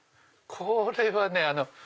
これはね